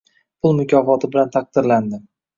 pul mukofoti bilan taqdirlandi.